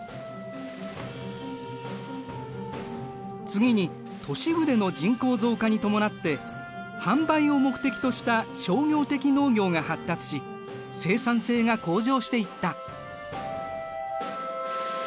次に都市部での人口増加に伴って販売を目的とした商業的農業が発達し生産性が向上していった。